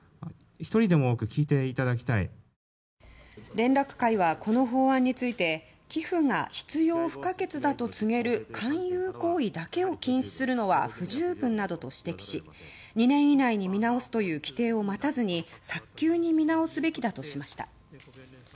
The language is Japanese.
連絡会はこの法案について寄付が必要不可欠だと告げる勧誘行為だけを禁止するのは不十分などと指摘し２年以内に見直すという規定を待たずに早急に見直すべきだとしました。